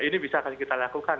ini bisa kita lakukan